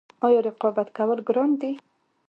آیا رقابت کول ګران دي؟